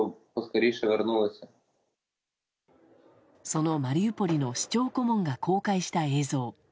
そのマリウポリの市長顧問が公開した映像。